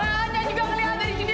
aduh jangan juga ngelihat dari sini